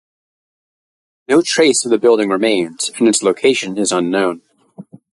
No trace of the building remains and its location is unknown.